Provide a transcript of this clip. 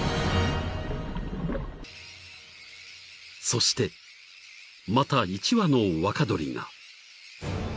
［そしてまた１羽の若鳥が］